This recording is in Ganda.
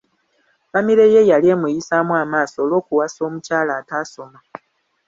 Famire ye yali emuyisaamu amaaso olw'okuwasa omukyala ataasoma.